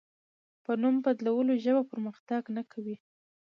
په نوم بدلولو ژبه پرمختګ نه کوي.